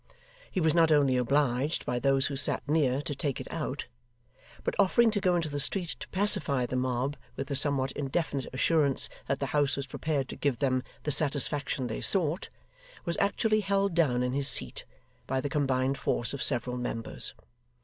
He was not only obliged, by those who sat near, to take it out; but offering to go into the street to pacify the mob with the somewhat indefinite assurance that the House was prepared to give them 'the satisfaction they sought,' was actually held down in his seat by the combined force of several members.